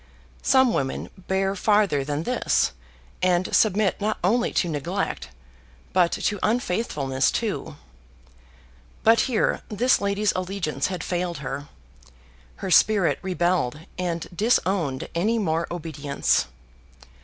Some women bear farther than this, and submit not only to neglect but to unfaithfulness too but here this lady's allegiance had failed her. Her spirit rebelled, and disowned any more obedience.